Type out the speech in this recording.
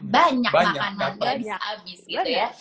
banyak makanan ya bisa abis gitu ya